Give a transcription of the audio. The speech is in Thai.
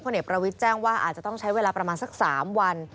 เอกประวิทย์แจ้งว่าอาจจะต้องใช้เวลาประมาณสัก๓วัน